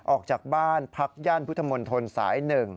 ออกจากบ้านพักย่านพุทธมนตรสาย๑